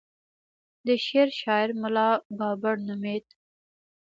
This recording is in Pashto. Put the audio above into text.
د شعر شاعر ملا بابړ نومېد.